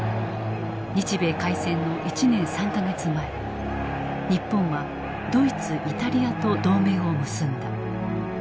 日米開戦の１年３か月前日本はドイツイタリアと同盟を結んだ。